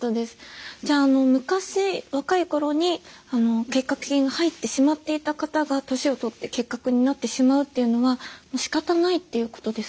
じゃあ昔若い頃に結核菌が入ってしまっていた方が年をとって結核になってしまうっていうのはもうしかたないっていうことですか？